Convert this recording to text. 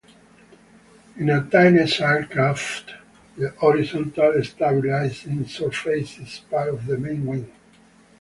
In a tailless aircraft, the horizontal stabilizing surface is part of the main wing.